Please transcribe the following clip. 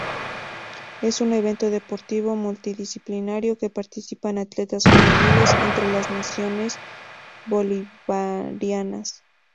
Es un evento deportivo multidisciplinario que participan atletas juveniles entre las naciones bolivarianas.